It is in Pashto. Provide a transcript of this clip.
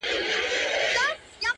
دا ستا په ياد كي بابولاله وايم،